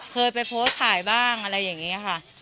เคยไปโพสต์ขายบ้างอะไรอย่างนี้ค่ะ